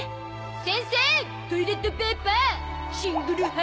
先生トイレットペーパーシングル派？